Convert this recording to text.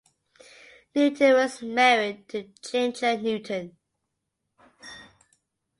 Newton was married to Ginger Newton.